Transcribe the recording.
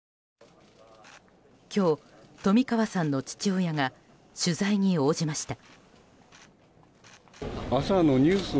今日、冨川さんの父親が取材に応じました。